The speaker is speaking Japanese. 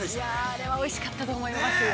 ◆あれはおいしかったと思いますよ。